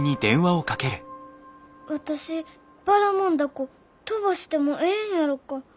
私ばらもん凧飛ばしてもええんやろか？